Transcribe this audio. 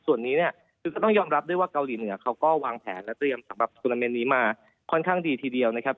ส่วนนี้เนี่ยคือก็ต้องยอมรับด้วยว่าเกาหลีเหนือเขาก็วางแผนและเตรียมสำหรับทูนาเมนต์นี้มาค่อนข้างดีทีเดียวนะครับ